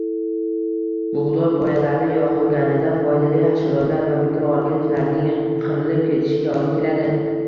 Bug`doy poyalarini yoqilganida foydali hashoratlar va mikroorganizmlarning qirilib ketishiga olib keladi